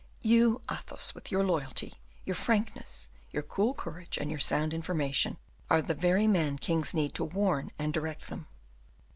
You, Athos, with your loyalty, your frankness, your cool courage, and your sound information, are the very man kings need to warn and direct them.